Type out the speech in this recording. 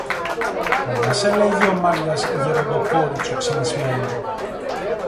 Καλά σε λέγει ο Μάγκας γεροντοκόριτσο ξυνισμένο